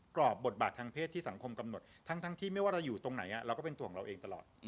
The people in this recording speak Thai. รอบบทบาททางเพศที่สังคมกำหนดทั้งที่ไม่ว่าเราอยู่ตรงไหนเราก็เป็นตัวของเราเองตลอด